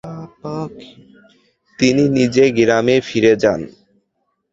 তিনি নিজ গ্রামে ফিরে যান।